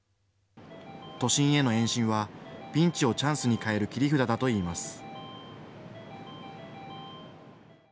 都心への延伸はピンチをチャンスに変える切り札だといいます。